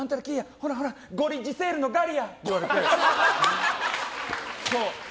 ほらほら、ゴリッジセールのガリや！って言われて。